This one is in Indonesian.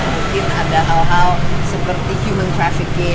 mungkin ada hal hal seperti human trafficking